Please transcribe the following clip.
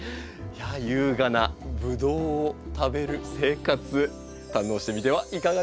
優雅なブドウを食べる生活堪能してみてはいかがでしょうか？